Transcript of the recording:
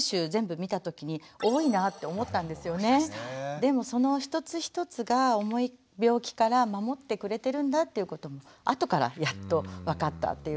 でもその一つ一つが重い病気から守ってくれてるんだっていうこともあとからやっと分かったっていう感じなんですけれども。